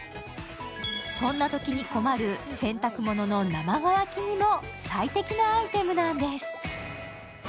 そんなときに困る、洗濯物の生乾きにも最適のアイテムなんです。